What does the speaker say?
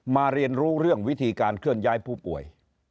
เรียนรู้เรื่องวิธีการเคลื่อนย้ายผู้ป่วย